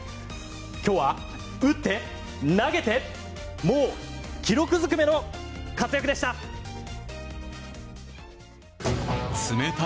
今日は打って投げてもう記録ずくめの活躍でした！